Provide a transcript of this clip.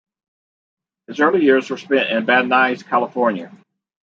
His early years were spent in Van Nuys, California.